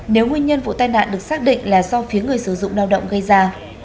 nếu nguyên nhân vụ tai nạn được xác định là do phía người sử dụng lao động gây ra